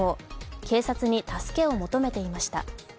警察に助けを求めていました。